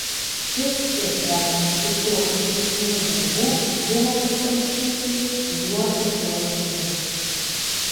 Šis ir keletas kitų ankstesniųjų darbų buvo pasirašyti juo tikruoju vardu.